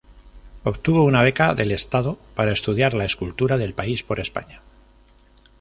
Obtuvo una beca del Estado para estudiar la escultura del país por España.